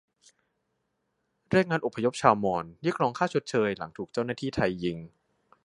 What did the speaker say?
แรงงานอพยพชาวมอญเรียกร้องค่าชดเชยหลังถูกเจ้าหน้าที่ไทยยิง